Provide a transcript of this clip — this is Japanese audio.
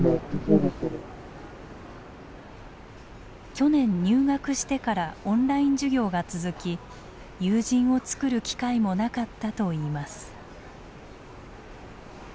去年入学してからオンライン授業が続き友人をつくる機会もなかったといいます。